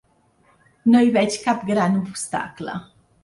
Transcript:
No hi veig cap gran obstacle